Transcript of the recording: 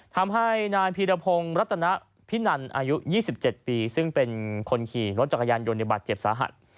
ทำให้นายพีรพงศ์รัตนพินันอายุ๒๗ปีซึ่งเป็นคนขี่รถจักรยานยนต์ในบาดเจ็บสาหัส